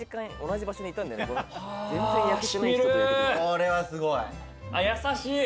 これはすごい。